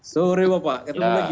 sore bapak ketemu lagi